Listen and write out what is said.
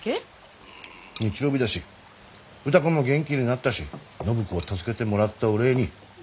日曜日だし歌子も元気になったし暢子を助けてもらったお礼に。